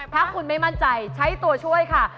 ถ้าคุณไม่มั่นใจใช้ตัวช่วยค่ะ